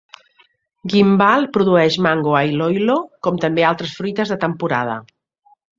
Guimbal produeix mango a Iloilo com també altres fruites de temporada.